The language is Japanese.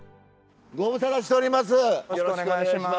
御無沙汰しております。